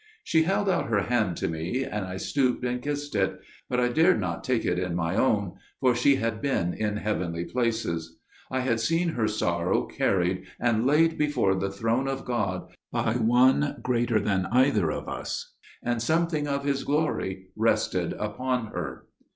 "She held out her hand to me, and I stooped and kissed it, but I dared not take it in my own, for she had been in heavenly places. I had seen her sorrow carried and laid before the throne of God by one greater than either of us, and something of his glory rested upon her."